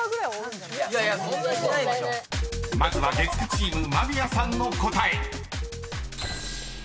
［まずは月９チーム間宮さんの答え］